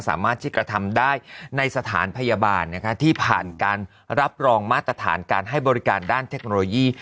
สามารถที่กระทำได้ในสถานพยาบาลที่ผ่านการรับรองมาตรฐานการให้บริการด้านเทคโนโลยี